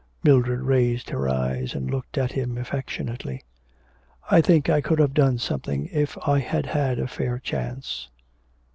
Mildred raised her eyes and looked at him affectionately. 'I think I could have done something if I had had a fair chance.'